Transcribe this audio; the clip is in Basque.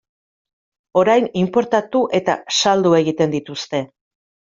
Orain inportatu eta saldu egiten dituzte.